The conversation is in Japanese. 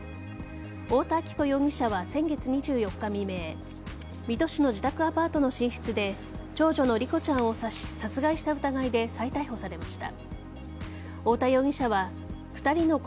太田亜紀子容疑者は先月２４日未明水戸市の自宅アパートの寝室で長女の梨子ちゃんを刺し殺害した疑いで再逮捕されました。